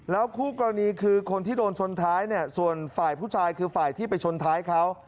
คู่กรณีคือคนที่โดนชนท้ายเนี่ยส่วนฝ่ายผู้ชายคือฝ่ายที่ไปชนท้ายเขา